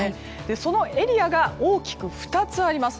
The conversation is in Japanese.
そのエリアが大きく２つあります。